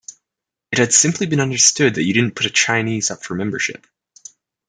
It had simply been understood that you didn't put a Chinese up for membership.